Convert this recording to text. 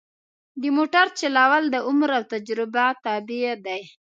د موټر چلول د عمر او تجربه تابع دي.